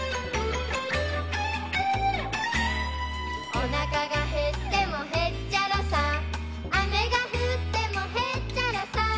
「おなかがへってもへっちゃらさ」「雨が降ってもへっちゃらさ」